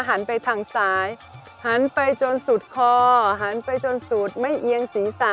หันไปทางซ้ายหันไปจนสุดคอหันไปจนสุดไม่เอียงศีรษะ